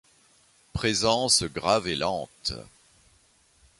Présence grave et lente.